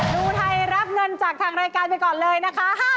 ดูไทยรับเงินจากทางรายการไปก่อนเลยนะคะ